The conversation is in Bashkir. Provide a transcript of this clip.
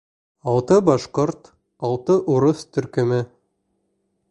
— Алты башҡорт, алты урыҫ төркөмө.